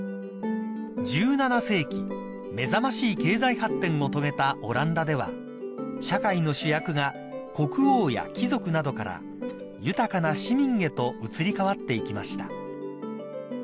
［１７世紀目覚ましい経済発展を遂げたオランダでは社会の主役が国王や貴族などから豊かな市民へと移り変わっていきました］